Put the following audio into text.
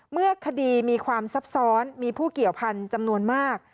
เมื่อคดีมีความซับซ้อนมีผู้เกี่ยวพันธุ์จำนวนมาก